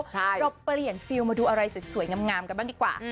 เราเปลี่ยนฟิลมาดูอะไรสวยงามกันบ้างดีกว่า